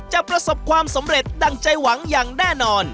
ประสบความสำเร็จดั่งใจหวังอย่างแน่นอน